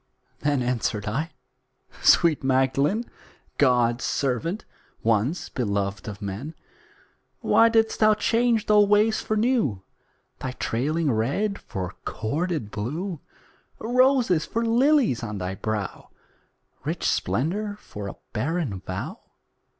Then answered I "Sweet Magdalen, God's servant, once beloved of men, Why didst thou change old ways for new, Thy trailing red for corded blue, Roses for lilies on thy brow, Rich splendour for a barren vow?"